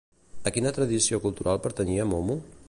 A quina tradició cultural pertanyia Momo?